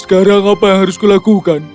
sekarang apa yang harus kulakukan